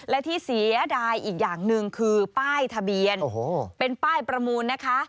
และที่เสียดายอีกอย่างหนึ่งคือป้ายทะเบียนเป็นป้ายประมูลนะคะ